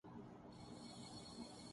ان اشکوں سے کتنا روشن اک تاریک مکان ہو